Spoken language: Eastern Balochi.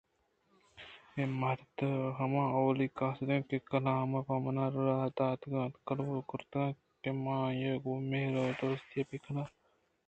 اے مرد ہما اولی قاصد اِنت کہ کلام پہ منا راہ داتگ اَت ءُکلوہ کرتگ اَت کہ من آئی ءَ گوں مہر ءُ دوستی بہ کناں